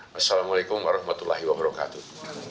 wassalamu'alaikum warahmatullahi wabarakatuh